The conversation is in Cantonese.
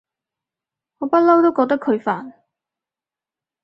我不嬲都覺得佢煩